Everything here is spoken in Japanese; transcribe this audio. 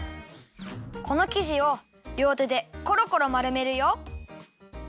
このきじをりょうてでコロコロまるめるよ。